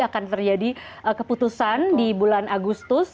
akan terjadi keputusan di bulan agustus